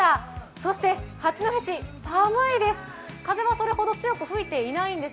そして八戸市、寒いです。